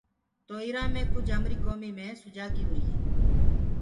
تو اِرآ مي ڪُج هميريٚ ڪومي مي سُجاڳي هُري هي۔